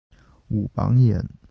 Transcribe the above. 武榜眼。